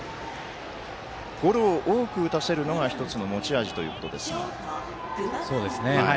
ゴロを多く打たせるのが１つの持ち味ということですが。